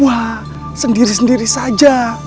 wah sendiri sendiri saja